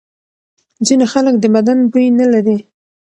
ځینې خلک د بدن بوی نه لري.